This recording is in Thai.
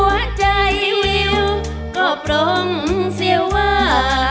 หัวใจวิวก็ปรองเสียว่า